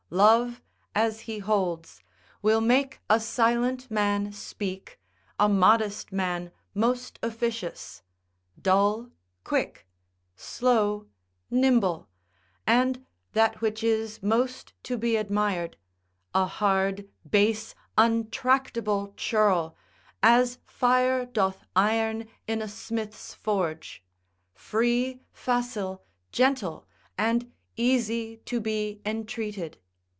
Love (as he holds) will make a silent man speak, a modest man most officious; dull, quick; slow, nimble; and that which is most to be admired, a hard, base, untractable churl, as fire doth iron in a smith's forge, free, facile, gentle, and easy to be entreated.